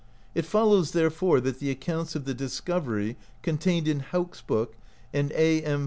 It follows, therefore, that the accounts of the discovery contained in Hauk's Book and AM.